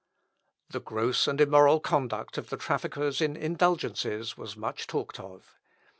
The gross and immoral conduct of the traffickers in indulgences was much talked of.